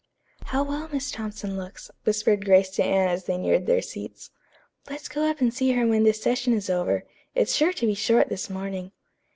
"How well Miss Thompson looks," whispered Grace to Anne as they neared their seats. "Let's go up and see her when this session is over. It's sure to be short this morning."